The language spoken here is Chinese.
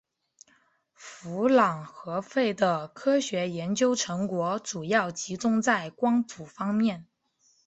夫琅和费的科学研究成果主要集中在光谱方面。